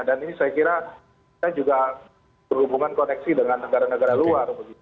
dan ini saya kira juga berhubungan koneksi dengan negara negara luar